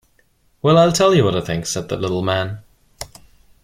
"Well, I'll tell you what I think," said the little man.